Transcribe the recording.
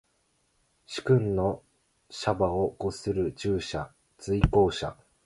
主君の車馬を御する従者。随行者。